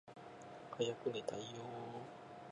早く寝たいよーー